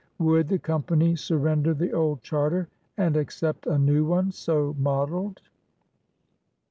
Would the Company sur render the old charter and accept a new one so modeled?